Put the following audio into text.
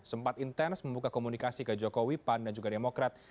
sempat intens membuka komunikasi ke jokowi pan dan juga demokrat